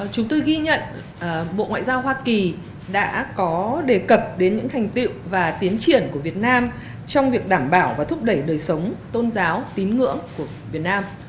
chúng tôi ghi nhận bộ ngoại giao hoa kỳ đã có đề cập đến những thành tiệu và tiến triển của việt nam trong việc đảm bảo và thúc đẩy đời sống tôn giáo tín ngưỡng của việt nam